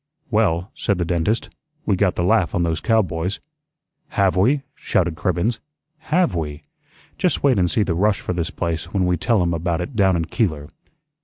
"Well," said the dentist, "we got the laugh on those cowboys." "Have we?" shouted Cribbens. "HAVE we? Just wait and see the rush for this place when we tell 'em about it down in Keeler.